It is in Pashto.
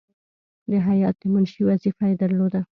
د هیات د منشي وظیفه یې درلوده.